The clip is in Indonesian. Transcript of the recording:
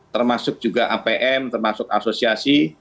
termasuk juga apm termasuk asosiasi